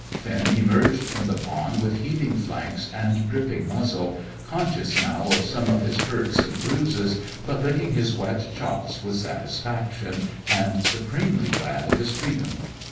Finn emerged from the pond with heaving flanks and dripping muzzle, conscious now of some of his hurts and bruises, but licking his wet chops with satisfaction, and supremely glad of his freedom.